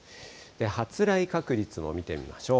発雷確率も見てみましょう。